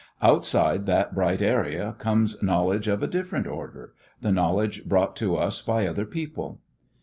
Outside that bright area comes knowledge of a different order the knowledge brought to us by other people.